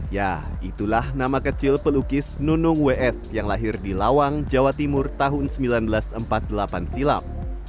ya itulah nama kecil pelukis nunung ws yang lahir di lawang jawa timur tahun seribu sembilan ratus empat puluh delapan silam